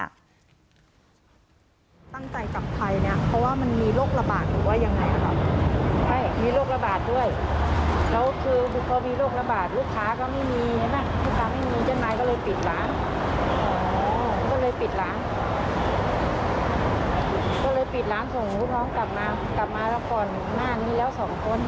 ก็เลยปิดร้านส่งรู้ท้องกลับมาแล้วก่อนหน้านี้แล้ว๒คน